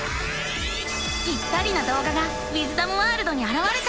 ぴったりなどうががウィズダムワールドにあらわれた。